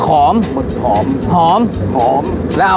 ก็ติดแล้วโห